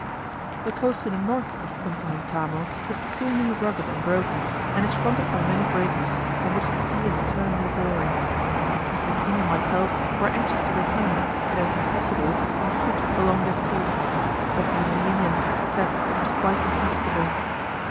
The coast to the north of Punta Huantamo is exceedingly rugged and broken, and is fronted by many breakers, on which the sea is eternally roaring. Mr. King and myself were anxious to return, if it had been possible, on foot along this coast; but even the Indians said it was quite impracticable.